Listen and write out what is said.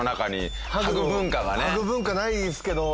ハグ文化ないですけど。